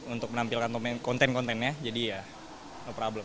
untuk menampilkan konten kontennya jadi ya problem